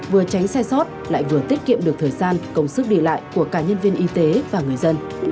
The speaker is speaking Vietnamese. vừa tránh sai sót lại vừa tiết kiệm được thời gian công sức đi lại của cả nhân viên y tế và người dân